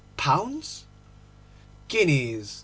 'Pounds?' 'Guineas.